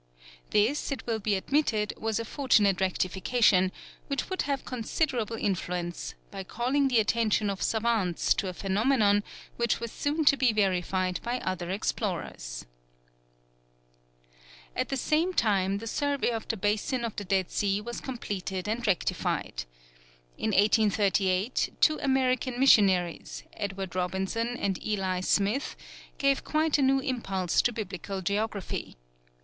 This, it will be admitted, was a fortunate rectification, which would have considerable influence, by calling the attention of savants to a phenomenon which was soon to be verified by other explorers. At the same time, the survey of the basin of the Dead Sea was completed and rectified. In 1838, two American Missionaries, Edward Robinson and Eli Smith, gave quite a new impulse to Biblical geography.